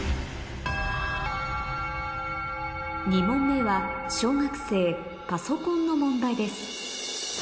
２問目は小学生パソコンの問題です